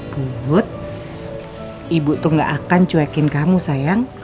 put ibu tuh nggak akan cuekin kamu sayang